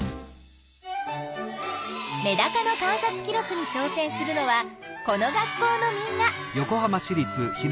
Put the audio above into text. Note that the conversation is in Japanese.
メダカの観察記録にちょう戦するのはこの学校のみんな。